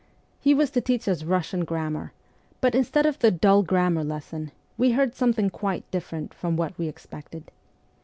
He was to teach us Russian grammar ; but, instead of the dull grammar lesson, we heard something quite different from what we expected.